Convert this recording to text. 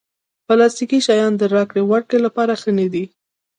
پلاستيکي شیان د راکړې ورکړې لپاره ښه نه وي.